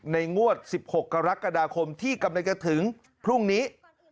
ในงวด๑๖กรกฎาคมที่กำเนกถึงพรุ่งนี้